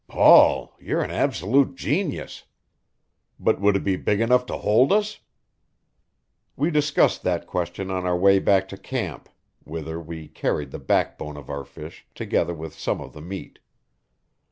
"Paul, you're an absolute genius. But would it be big enough to hold us?" We discussed that question on our way back to camp, whither we carried the backbone of our fish, together with some of the meat.